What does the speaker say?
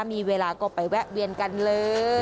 มีเวลาก็ไปแวะเวียนกันเลย